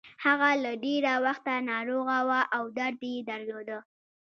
هغه له ډېره وخته ناروغه وه او درد يې درلود.